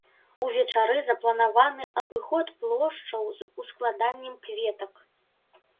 Увечары запланаваны абыход плошчаў з ускладаннем кветак.